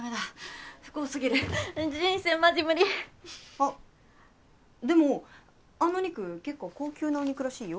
あっでもあの肉結構高級なお肉らしいよ？